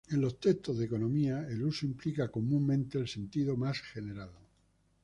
En los textos de economía el uso implica comúnmente el sentido más general.